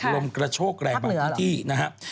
ลมกระโชกแรงบางที่ภาพเหนือเหรอ